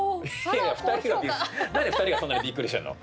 何で２人がそんなにびっくりしてるの。